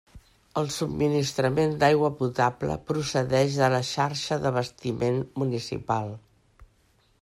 El subministrament d'aigua potable procedix de la xarxa d'abastiment municipal.